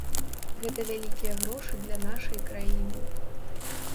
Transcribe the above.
Гэта вялікія грошы для нашай краіны.